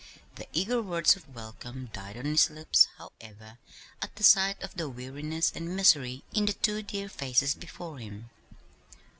The eager words of welcome died on his lips, however, at sight of the weariness and misery in the two dear faces before him.